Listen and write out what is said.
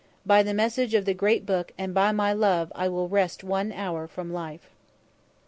. by the Message of the Great Book and by my love will I wrest one hour from life."